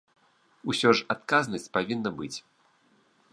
Усё ж адказнасць павінна быць.